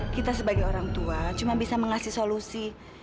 kita sebagai orang tua cuma bisa mengasih solusi